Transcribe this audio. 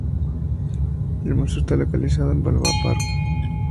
El museo está localizado en Balboa Park.